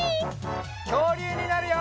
きょうりゅうになるよ！